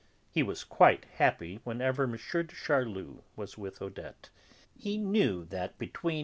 He was quite happy whenever M. de Charlus was with Odette. He knew that between M.